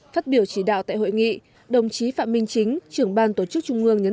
phát biểu chỉ đạo tại hội nghị đồng chí phạm minh chính trưởng ban tổ chức trung ương nhấn